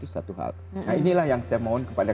nah inilah yang saya mohon kepada